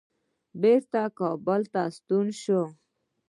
بیرته کابل ته ستون شو.